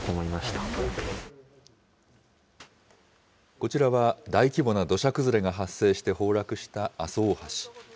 こちらは大規模な土砂崩れが発生して崩落した阿蘇大橋。